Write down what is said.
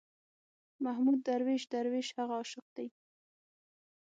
محمود درویش، درویش هغه عاشق دی.